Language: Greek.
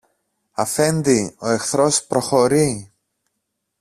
Αφέντη, ο εχθρός προχωρεί!